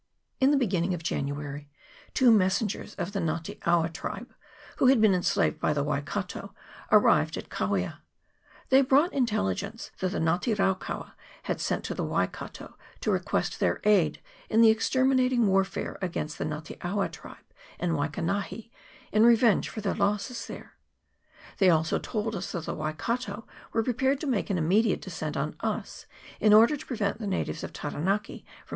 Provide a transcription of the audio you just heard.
In the beginning of January two messengers of the Nga te awa tribe, who had been enslaved by the Wai kato, arrived from Kawia : they brought intelligence that the Nga te raukaua had sent to the Waikato to request their aid in an exterminating warfare against the Nga te awa tribe in Waikanahi, in revenge for their losses there. They also told us that the Wai kato were prepared to make an immediate descent on us, in order to prevent the natives of Taranaki from M2 164 MOTU ROA ISLAND. [PART I.